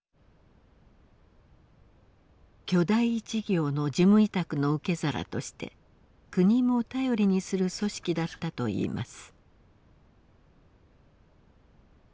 巨大事業の事務委託の受け皿として国も頼りにする組織だったといいます。